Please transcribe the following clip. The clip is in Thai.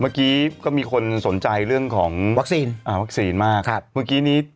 เมื่อกี้ก็มีคนสนใจเรื่องของวัคซีนอ่าวัคซีนมากครับเมื่อกี้นี้